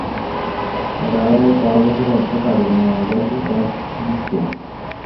এগার-বার বছরের একটা কাজের মেয়ে ঘর ঝাঁট দিচ্ছে।